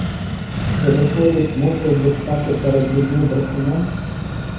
Чи, виходить, мусив би стати перед людьми брехуном?